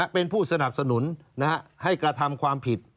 เป็นผู้สนับสนุนให้กระทำความผิด